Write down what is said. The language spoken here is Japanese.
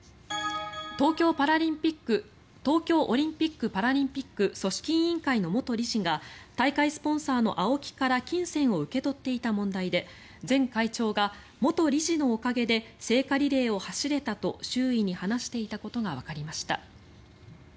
東京オリンピック・パラリンピック組織委員会の元理事が大会スポンサーのＡＯＫＩから金銭を受け取っていた問題で前会長が、元理事のおかげで聖火リレーを走れたと周囲に話していたことがわかりました。